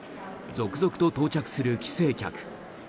続々と到着する帰省客。